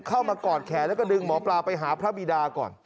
กอดแขนแล้วก็ดึงหมอปลาไปหาพระบิดาก่อน